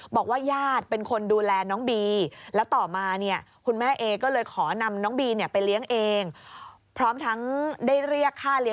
บอกว่าญาติเป็นคนดูแลน้องบี